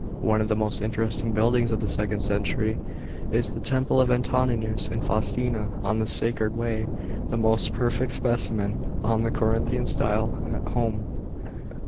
One of the most interesting buildings of the second century is the temple of Antoninus and Faustina, on. the Sacred Way — the most perfect specimen of the Corinthian style at Home.